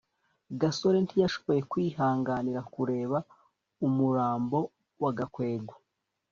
gasore ntiyashoboye kwihanganira kureba umurambo wa gakwego